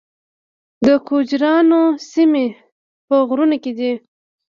د ګوجرانو سیمې په غرونو کې دي